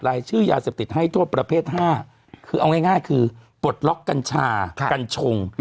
รายชื่อยาเสพติดให้โทษประเภท๕คือเอาง่ายคือปลดล็อกกัญชากัญชง